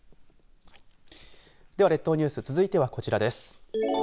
では列島ニュース続いてはこちらです。